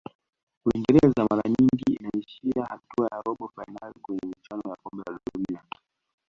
uingereza mara nyingi inaishia hatua ya robo fainali kwenye michuano ya kombe la dunia